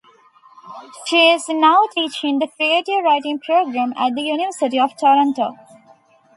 She is now teaching the Creative Writing Program at the University of Toronto.